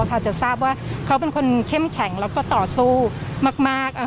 พอจะทราบว่าเขาเป็นคนเข้มแข็งแล้วก็ต่อสู้มาก